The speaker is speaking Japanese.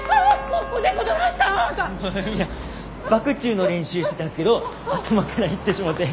いやバク宙の練習してたんすけど頭から行ってしもて。